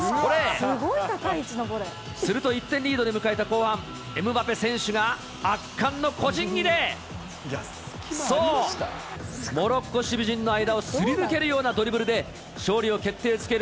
すると１点リードで迎えた後半、エムバペ選手が圧巻の個人技で、そう、モロッコ守備陣の間をすり抜けるようなドリブルで、勝利を決定づける